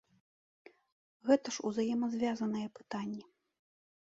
Гэта ж узаемазвязаныя пытанні.